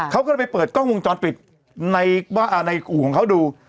เขาก็เลยไปเปิดกล้องวงจรปิดในอู่ของเขาดู